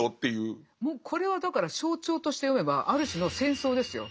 これはだから象徴として読めばある種の戦争ですよ。